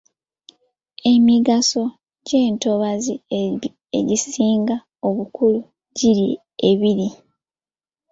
Emigaso gy’entobazi egisinga obukulu giri ebiri.